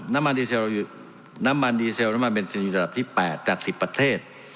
น้ำมันน้ำมันดีเซลน้ำมันเบนซินระดับที่๘จาก๑๐ประเทศ